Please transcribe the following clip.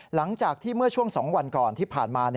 หลังจากที่เมื่อช่วง๒วันก่อนที่ผ่านมา